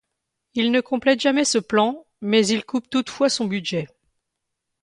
Il ne complète jamais ce plan, mais il coupe toutefois son budget.